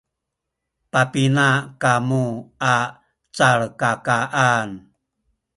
papina kamu a calkakaan?